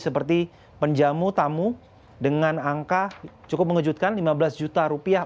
seperti penjamu tamu dengan angka cukup mengejutkan lima belas juta rupiah